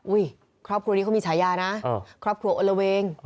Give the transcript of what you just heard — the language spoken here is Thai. อุ้ยครอบครัวนี้เค้ามีชายานะครอบครัวเอาละเวง